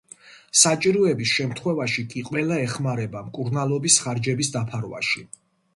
საჭიროების შემთხვევაში კი ყველა ეხმარება მკურნალობის ხარჯების დაფარვაში.